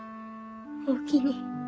おおきに。